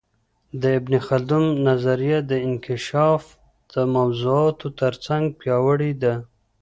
د ابن خلدون نظریه د انکشاف د موضوعاتو ترڅنګ پياوړې ده.